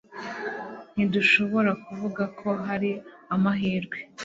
ntidushobora kuvuga ko hari amahirwe